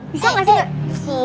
bisa gak sih